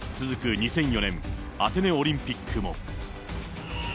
２００４年、アテネオリンピックも。